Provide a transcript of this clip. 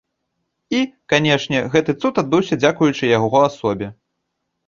І, канешне, гэты цуд адбыўся дзякуючы яго асобе.